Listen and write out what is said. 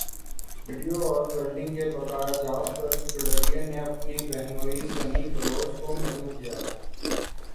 video اور welding کے بقایاجات پر گڈریے نے اپنے بہنوئی غنی بلوچ کو مدعو کیا